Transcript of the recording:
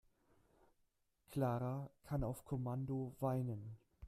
Clara kann auf Kommando weinen.